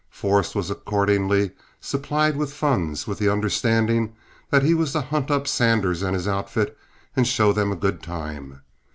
Forrest was accordingly supplied with funds, with the understanding that he was to hunt up Sanders and his outfit and show them a good time.